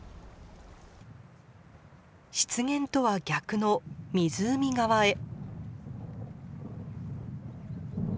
湿原とは逆の湖側へ。